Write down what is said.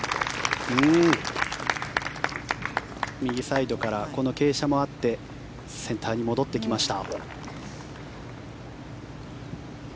右サイドからこの傾斜もあってセンターに戻ってきました。